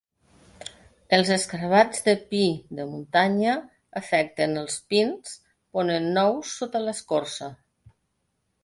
Els escarabats del pi de muntanya afecten els pins ponent ous sota l'escorça.